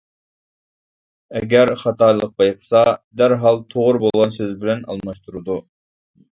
ئەگەر خاتالىق بايقىسا دەرھال توغرا بولغان سۆز بىلەن ئالماشتۇرىدۇ.